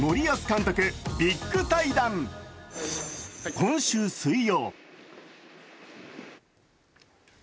今週水曜。